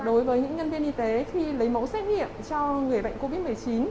đối với những nhân viên y tế khi lấy mẫu xét nghiệm cho người bệnh covid một mươi chín